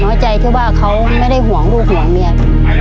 น้อยใจที่ว่าเขาไม่ได้ห่วงลูกห่วงเมีย